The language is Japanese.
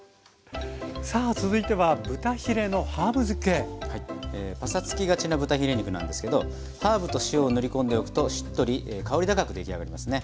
さあ続いてはパサつきがちな豚ヒレ肉なんですけどハーブと塩を塗り込んでおくとしっとり香り高く出来上がりますね。